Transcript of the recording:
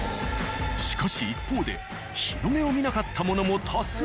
しかし一方で日の目を見なかったものも多数。